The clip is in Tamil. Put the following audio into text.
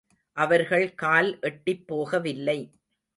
அவர்கள் கால் எட்டிப் போகவில்லை.